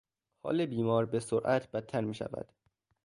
حال بیمار به سرعت بدتر میشود.